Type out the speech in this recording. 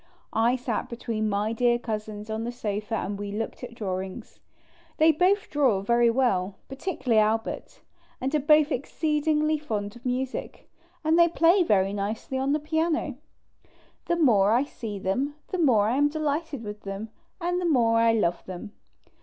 I sat between my dear Cousins on the sofa and we looked at drawings. They both draw very well, particularly Albert, and are both exceedingly fond of music; and they play very nicely on the piano. The more I see them the more f am delighted with them, and the more I love them.